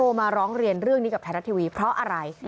มาร้องเรียนเรื่องนี้กับไทยรัฐทีวีเพราะอะไร